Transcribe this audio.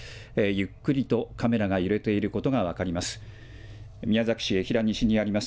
ゆっくりとカメラが揺れていることが分かります。